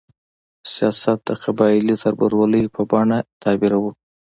سیاست د قبایلي تربورولۍ په بڼه تعبیروو.